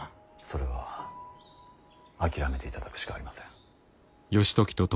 それは諦めていただくしかありません。